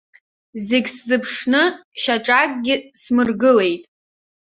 Зегь сзыԥшны шьаҿакгьы смыргылеит.